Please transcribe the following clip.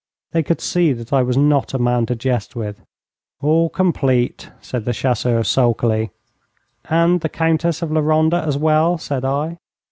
They could see that I was not a man to jest with. 'All complete,' said the chasseur, sulkily. 'And the Countess of La Ronda as well?' said I.